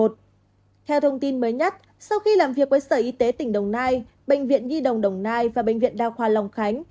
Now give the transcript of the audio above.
theo thông tin mới nhất sau khi làm việc với sở y tế tỉnh đồng nai bệnh viện nhi đồng đồng nai và bệnh viện đa khoa lòng khánh